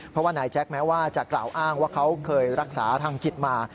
เพราะว่านายแจ๊คแม้ว่าจะกล่าวอ้างว่าเขาเคยรักษาทางจิตมา